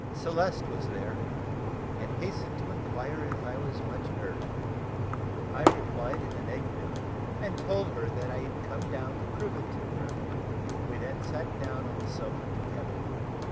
Celeste was there, and hastened to inquire if I was much hurt. I replied in the negative, and told her that I had come down to prove it to her; we then sat down on the sofa together.